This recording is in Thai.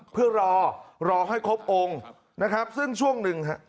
เพื่อรอรอให้ครบองค์นะครับซึ่งช่วงหนึ่งฮะ